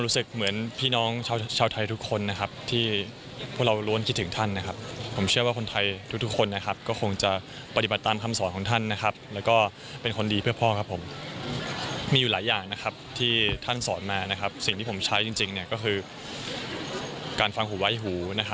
สิ่งที่ผมใช้จริงก็คือการฟังห่วงไว้หู